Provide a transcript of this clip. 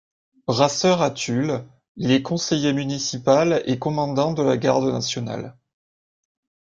Brasseur à Tulle, il est conseiller municipal et commandant de la garde nationale.